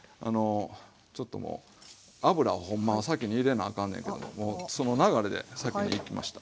ちょっともう油をほんまは先に入れなあかんねんけどももうその流れで先にいきました。